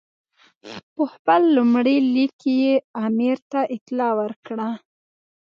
په خپل لومړي لیک کې یې امیر ته اطلاع ورکړه.